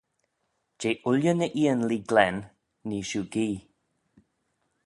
Jeh ooilley ny eeanlee glen nee shiu gee.